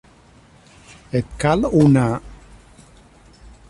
Et cal una??